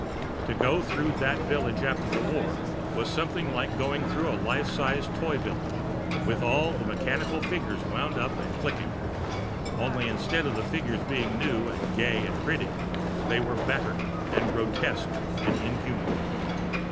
To go through that village after the war was something like going through a life sized toy village with all the mechanical figures wound up and clicking. Only instead of the figures being new, and gay, and pretty, they were battered and grotesque and inhuman.